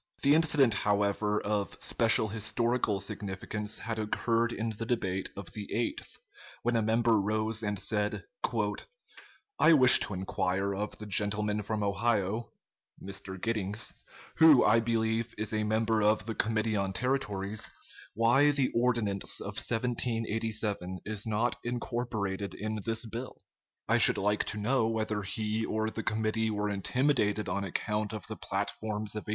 ] The incident, however, of special historical significance had occurred in the debate of the 8th, when a member rose and said: "I wish to inquire of the gentleman from Ohio [Mr. Giddings], who, I believe, is a member of the Committee on Territories, why the Ordinance of 1787 is not incorporated in this bill? I should like to know whether he or the committee were intimidated on account of the platforms of 1852?"